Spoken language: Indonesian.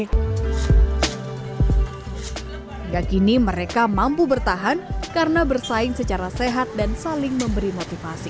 hingga kini mereka mampu bertahan karena bersaing secara sehat dan saling memberi motivasi